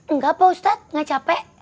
enggak pak ustadz gak capek